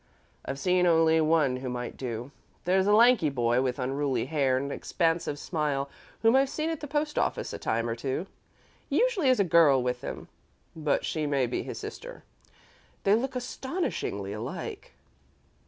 "I've seen only one who might do. There's a lanky boy with unruly hair and an expansive smile whom I've seen at the post office a time or two. He usually has a girl with him, but she may be his sister. They look astonishingly alike."